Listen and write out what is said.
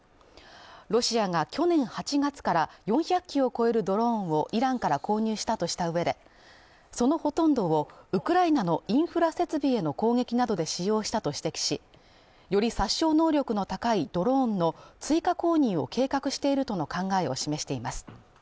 ロシアが去年８月から４００機を超えるドローンをイランから購入したとした上で、そのほとんどをウクライナのインフラ設備への攻撃などで使用したと指摘し、より殺傷能力の高いドローンの追加購入を計画しているとの考えを示しています。